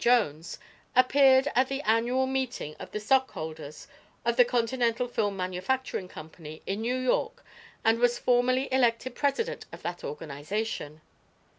Jones, appeared at the annual meeting of the stockholders of the Continental Film Manufacturing Company, in New York, and was formally elected president of that organization."